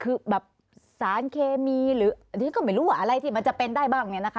คือแบบสารเคมีหรืออันนี้ก็ไม่รู้ว่าอะไรที่มันจะเป็นได้บ้างเนี่ยนะคะ